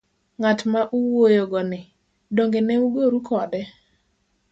Ng'at ma uwuoyo go ni, dong'e ne ugoru kode?